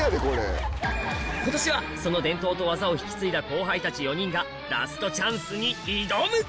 今年はその伝統と技を引き継いだ後輩たち４人がラストチャンスに挑む！